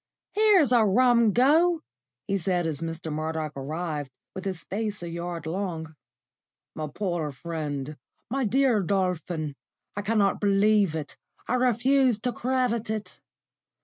"Here's a rum go!" he said, as Mr. Murdoch arrived, with his face a yard long. "My poor friend, my dear Dolphin, I cannot believe it; I refuse to credit it."